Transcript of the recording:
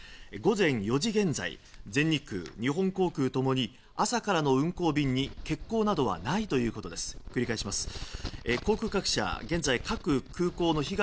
午前４時現在全日空、日本航空ともに朝からの運航便に欠航などはないということです。